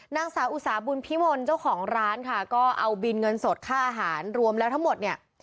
นางสาวอุตสาบุญพิมลเจ้าของร้านค่ะก็เอาบินเงินสดค่าอาหารรวมแล้วทั้งหมดเนี่ย